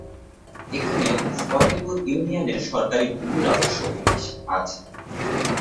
এখানে ফতেপুর ইউনিয়নের সরকারি ভূমি রাজস্ব অফিস আছে।